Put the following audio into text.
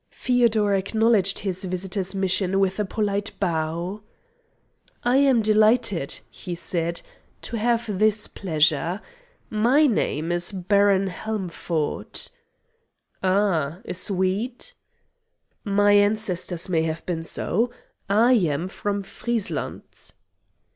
Feodor acknowledged his visitor's mission with a polite bow. "I am delighted," he said, "to have this pleasure. My name is Baron Helmford." "Ah! a Swede?" "My ancestors may have been so. I am from Friesland."